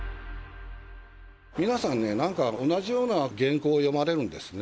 皆さんね、なんか同じような原稿を読まれるんですね。